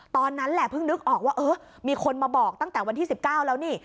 ตอนนั้นแหละเพิ่งนึกออกว่าเออมีคนมาบอกตั้งแต่วันที่๑๙แล้วนี่